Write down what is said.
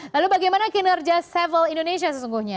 lalu bagaimana kinerja several indonesia sesungguhnya